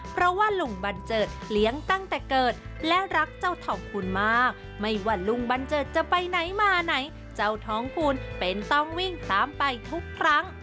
เพราะว่าลุงบันเจิดเลี้ยงตั้งแต่เกิดและรักเจ้าทองคุณมากไม่ว่าลุงบันเจิดจะไปไหนมาไหนเจ้าท้องคุณเป็นต้องวิ่งตามไปทุกครั้ง